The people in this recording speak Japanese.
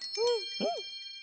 うん！